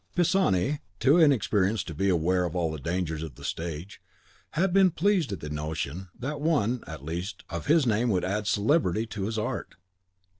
Pisani, too inexperienced to be aware of all the dangers of the stage, had been pleased at the notion that one, at least, of his name would add celebrity to his art.